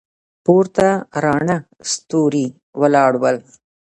پورته راڼه ستوري ولاړ ول.